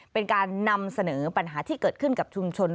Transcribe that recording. เป็นการนำเสนอปัญหาที่เกิดขึ้นกับชุมชน